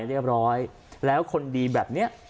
เรียบร้อยแล้วคนดีแบบนี้